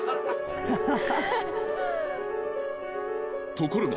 ところが！